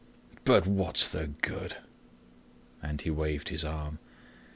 But what's the good?..." and he waved his arm.